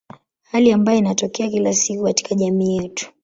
Hali ambayo inatokea kila siku katika jamii yetu.